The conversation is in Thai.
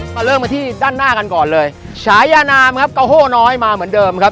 มาเริ่มกันที่ด้านหน้ากันก่อนเลยฉายานามครับเก้าโฮน้อยมาเหมือนเดิมครับ